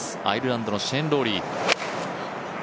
アイルランドのシェーン・ローリー。